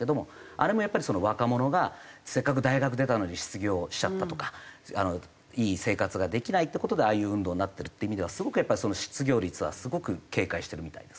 あれもやっぱり若者がせっかく大学出たのに失業しちゃったとかいい生活ができないって事でああいう運動になってるっていう意味ではすごくやっぱ失業率はすごく警戒してるみたいですね。